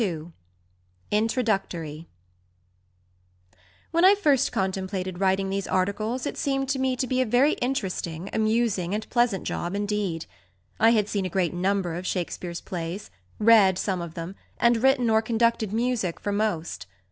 {xi} INTRODUCTORY When I first contemplated writing these articles it seemed to me to be a very interesting, amusing, and pleasant job indeed. I had seen a great number of Shakespeare's plays, read some of them, and written or conducted music for most.